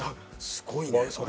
すごいねそれ。